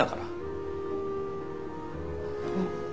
うん。